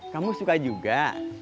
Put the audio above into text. kamu suka juga